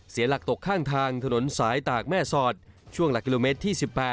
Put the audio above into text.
เสียหลักตกข้างทางถนนสายตากแม่สอดช่วงหลักกิโลเมตรที่๑๘